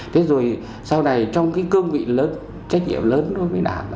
thế rồi sau này trong cái cương vị lớn trách nhiệm lớn đối với đảng